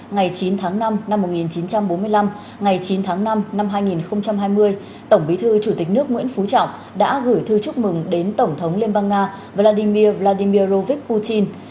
ngày chín tháng năm năm một nghìn chín trăm bốn mươi năm ngày chín tháng năm năm hai nghìn hai mươi tổng bí thư chủ tịch nước nguyễn phú trọng đã gửi thư chúc mừng đến tổng thống liên bang nga vladimir rovic putin